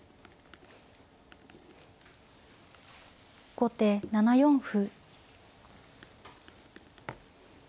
後手７四歩。